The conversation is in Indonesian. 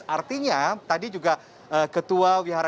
artinya tadi juga ketua wihara